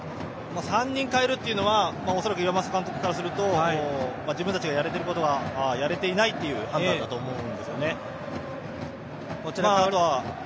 ３人代えるのは岩政監督からすると自分たちがやるべきことをやれていないという判断だと思うんです。